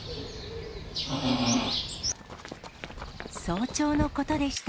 早朝のことでした。